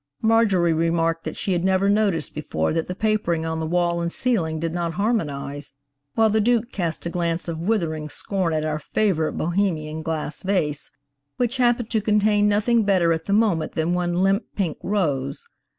Marjorie re marked that she had never noticed before that the papering on the wall and ceiling did not harmonize, while the Duke cast a glance of withering scorn at our favorite Bohemian glass vase, which happened to contain nothing better at the moment than one limp, pink rose.